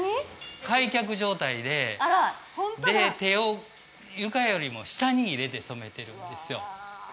開脚状態であらホントだで手を床よりも下に入れて染めてるんですようわ